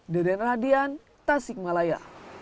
deden radian tasik malaya